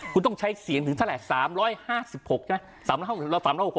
คุณต้องใช้เสียงถึงเท่าไหร่๓๕๖นะ๓๕๖หรือ๓๖๖